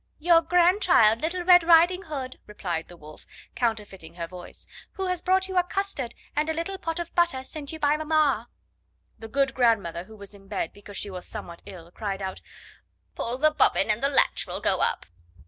"Your grandchild, Little Red Riding Hood," replied the Wolf, counterfeiting her voice; "who has brought you a custard and a little pot of butter sent you by mamma." The good grandmother, who was in bed, because she was somewhat ill, cried out: "Pull the bobbin, and the latch will go up."